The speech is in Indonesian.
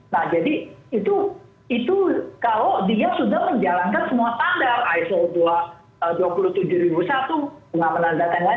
nah jadi itu kalau dia sudah menjalankan semua tanda iso dua puluh tujuh ribu satu pengamanan data